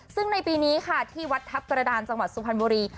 ซึ่งในปีนี้ค่ะที่วัดทัพกระดานจังหวัดสุพรรณบุรี